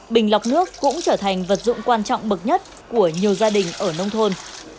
bình lọc nước cũng trở thành vật dụng quan trọng bậc nhất của nhiều gia đình ở nông thôn